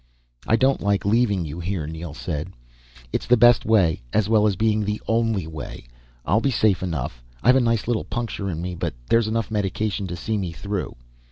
"I don't like leaving you here," Neel said. "It's the best way, as well as being the only way. I'll be safe enough. I've a nice little puncture in me, but there's enough medication to see me through."